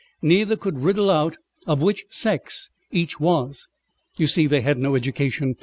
Neither could riddle out of which sex each was. You see they had no education.